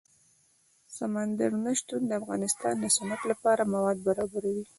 سمندر نه شتون د افغانستان د صنعت لپاره مواد برابروي.